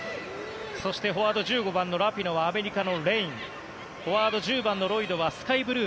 そしてフォワード１５番のラピノはアメリカのレインフォワード、１０番のロイドはスカイブルー。